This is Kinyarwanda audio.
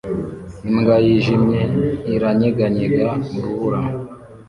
Imbwa yijimye iranyeganyega urubura